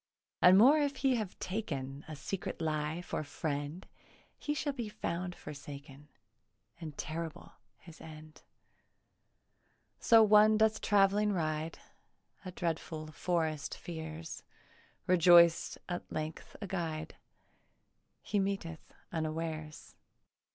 And more if he have taken A secret lie for friend, He shall be found forsaken, And terrible his end. So one doth travelling ride; A dreadful forest fears; Rejoiced at length a guide He meeteth unawares.